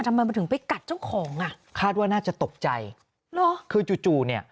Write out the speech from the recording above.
ทำไมมันถึงไปกัดเจ้าของอ่ะคาดว่าน่าจะตกใจเหรอคือจู่จู่เนี่ย